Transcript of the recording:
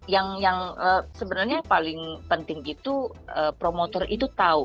yang sebenarnya yang paling penting itu promotor itu tahu